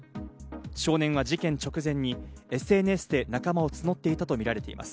少年は事件直前にＳＮＳで仲間を募っていたとみられています。